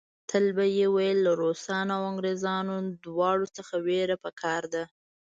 تل به یې ویل له روسانو او انګریزانو دواړو څخه وېره په کار ده.